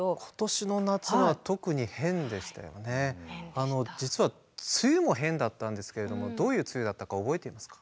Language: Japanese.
あの実は梅雨も変だったんですけれどもどういう梅雨だったか覚えていますか。